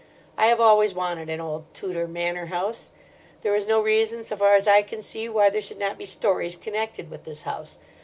I have always wanted an old Tudor manor house. There is no reason, so far as I can see, why there should not be stories connected with this house.